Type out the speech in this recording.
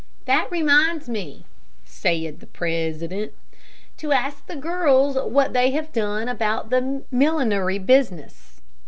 "That reminds me," said the president, "to ask the girls what they have done about the millinery business."